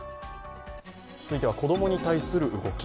続いては、子供に対する動き。